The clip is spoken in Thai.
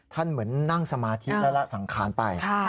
เหมือนนั่งสมาธิและละสังขารไป